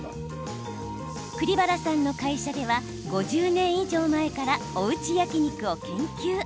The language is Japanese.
栗原さんの会社では５０年以上前からおうち焼き肉を研究。